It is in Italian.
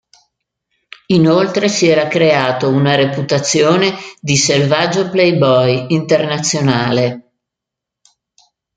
Inoltre si era creato una reputazione di selvaggio playboy internazionale.